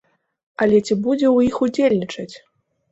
Але ці будзе ў іх удзельнічаць?